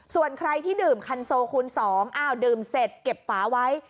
ส่วนใครที่ดื่มคันโซคูณ๒อ้าวดื่มเสร็จเก็บฝาไว้